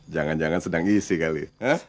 jangan jangan sedang isi kali